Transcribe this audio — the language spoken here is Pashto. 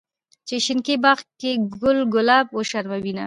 چې شينکي باغ کې ګل ګلاب وشرمووينه